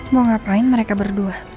mau ngapain mereka berdua